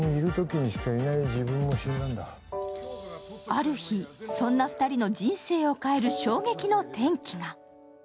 ある日、そんな２人の人生を変える衝撃の転機が。